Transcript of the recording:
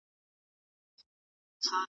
کالي مي جــوړ نکــړه پـه خپله اندازه باندي